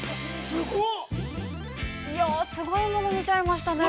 ◆すごいもの見ちゃいましたね。